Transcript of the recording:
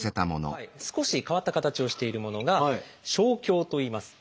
少し変わった形をしているものが「生姜」といいます。